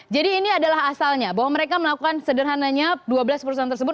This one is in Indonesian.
jadi ini adalah asalnya bahwa mereka melakukan sederhananya dua belas perusahaan tersebut